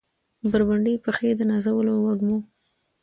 بربنډې پښې د نازولو وږمو